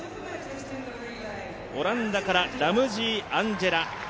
オランダからラムジー・アンジェラ。